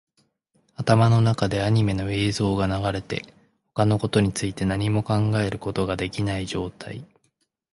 頭の中でアニメの映像が流れて、他のことについて何も考えることができない状態